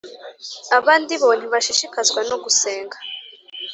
Abandi bo ntibashishikazwa no gusenga